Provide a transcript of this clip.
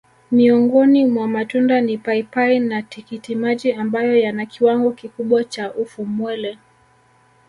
Miongoni mwa matunda ni papai na tikitimaji ambayo yana kiwango kikubwa cha ufumwele